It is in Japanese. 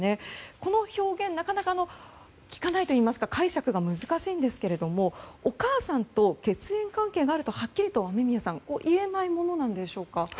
この表現なかなか聞かないといいますか解釈が難しいんですけれどもお母さんと血縁関係があるとはっきりと雨宮さん言えないものなんでしょうか。